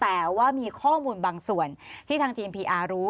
แต่ว่ามีข้อมูลบางส่วนที่ทางทีมพีอาร์รู้